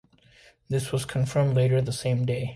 This was confirmed later the same day.